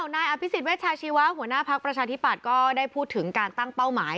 นายอภิษฎเวชาชีวะหัวหน้าภักดิ์ประชาธิปัตย์ก็ได้พูดถึงการตั้งเป้าหมาย